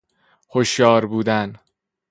هشیار بودن